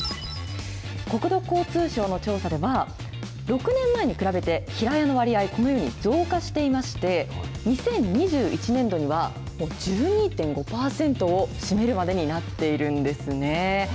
国土交通省の調査では、６年前に比べて平屋の割合、このように増加していまして、２０２１年度には１２．５％を占めるまでになっているんですね。